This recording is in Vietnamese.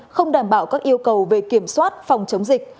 không đảm bảo các yêu cầu về kiểm soát phòng chống dịch